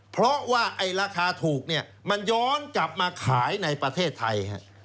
เพราะว่าไอ้ราคาถูกเนี่ยมันย้อนกลับมาขายในประเทศไทย